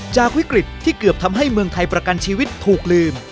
จากวิกฤตที่เกือบทำให้เมืองไทยประกันชีวิตถูกลืม